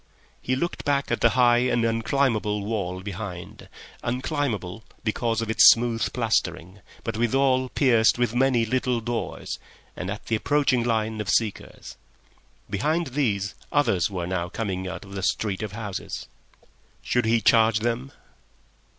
He looked back at the high and unclimbable wall behind—unclimbable because of its smooth plastering, but withal pierced with many little doors and at the approaching line of seekers. Behind these others were now coming out of the street of houses. Should he charge them?